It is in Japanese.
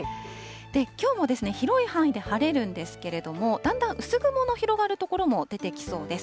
きょうもですね、広い範囲で晴れるんですけれども、だんだん薄雲の広がる所も出てきそうです。